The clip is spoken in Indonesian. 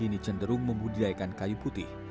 yang kini cenderung memudidayakan kayu putih